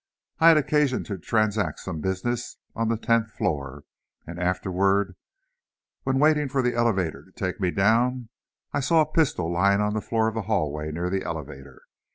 I had occasion to transact some business on the tenth floor, and afterward, when waiting for the elevator to take me down, I saw a pistol lying on the floor of the hallway near the elevator.